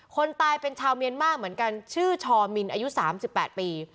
คนตายเป็นชาวเมียนมากเหมือนกันชื่อชอมินอายุสามสิบแปดปี